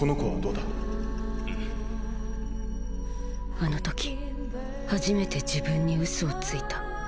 あの時初めて自分に嘘をついた。